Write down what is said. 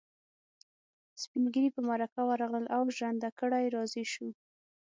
سپين ږيري په مرکه ورغلل او ژرنده ګړی راضي شو.